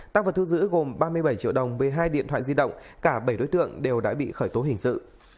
tác vật thư giữ gồm ba mươi bảy triệu đồng với hai điện thoại di động cả bảy đối tượng đều đã bị khởi tố hình sự